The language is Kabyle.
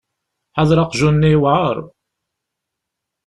Ḥader aqjun-nni yewεer.